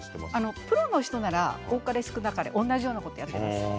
プロの人なら多かれ少なかれ同じようなことをやっています。